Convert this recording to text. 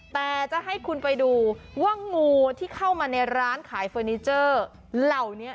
แต่จะให้คุณไปดูว่างูที่เข้ามาในร้านขายเฟอร์นิเจอร์เหล่านี้